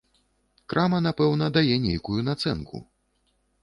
Крама, напэўна, дае нейкую нацэнку.